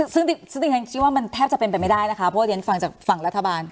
ซึ่งดิฉันคิดว่ามันแทบจะเป็นไปไม่ได้นะคะเพราะว่าเรียนฟังจากฝั่งรัฐบาล